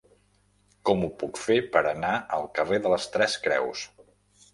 Com ho puc fer per anar al carrer de les Tres Creus?